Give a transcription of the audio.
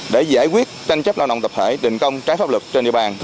để giải quyết tranh chấp lao động tập thể định công trái pháp lực trên địa bàn